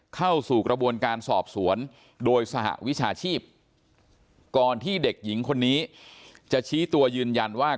เข้าสู่กระบวนการสอบสวนโดยสหวิชาชีพก่อนที่เด็กหญิงคนนี้จะชี้ตัวยืนยันว่า